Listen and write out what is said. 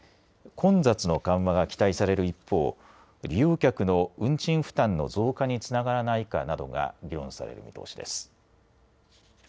混雑の緩和が期待される一方、利用客の運賃負担の増加につながらないかなどが議論される見通しです。